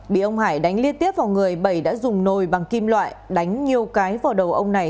bị ông hải đánh liên tiếp vào người bẩy đã dùng nồi bằng kim loại đánh nhiều cái vào đầu ông này